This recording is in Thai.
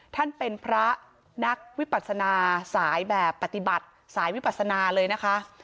ท่านเป็นพระนักวิปัสนาสายแบบปฏิบัติสายวิปัสนาเลยนะคะ